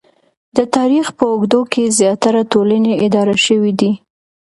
د تاریخ په اوږدو کې زیاتره ټولنې اداره شوې دي